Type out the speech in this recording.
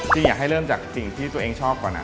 อยากให้เริ่มจากสิ่งที่ตัวเองชอบก่อน